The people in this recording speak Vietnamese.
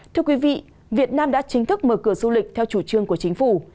thưa quý vị việt nam đã chính thức mở cửa du lịch theo chủ trương của chính phủ